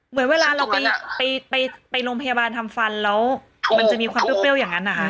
เหมือนเวลาเราไปโรงพยาบาลทำฟันแล้วมันจะมีความเปรี้ยวอย่างนั้นนะคะ